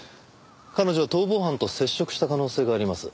彼女逃亡犯と接触した可能性があります。